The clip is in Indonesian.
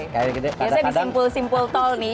biasanya disimpul simpul tol nih